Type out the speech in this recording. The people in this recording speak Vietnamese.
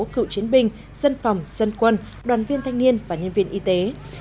cựu chiến binh dân phòng dân quân đoàn viên thanh niên và nhân viên y tế